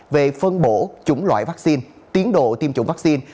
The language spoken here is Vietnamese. về phân bổ chủng loại vaccine tiến độ tiêm chủng vaccine